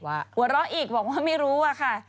หัวเราะอีกบอกว่าไม่รู้อะค่ะ